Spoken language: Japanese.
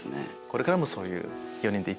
これからもそういう４人で。